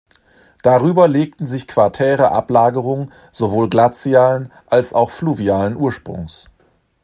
Darüber legten sich quartäre Ablagerungen sowohl glazialen als auch fluvialen Ursprungs.